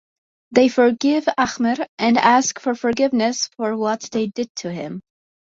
They forgive Ahmer and ask for forgiveness for what they did to him.